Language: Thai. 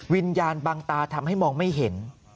วิญญาณบางตาทำให้มองไม่เห็น